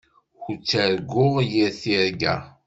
Ur ttarguɣ yir tirga.